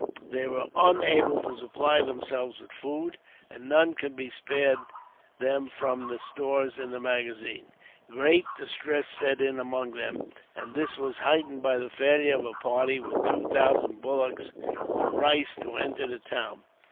They were unable to supply themselves with food, and none could be spared them from the stores in the magazines. Great distress set in among them, and this was heightened by the failure of a party, with two thousand bullocks with rice, to enter the town.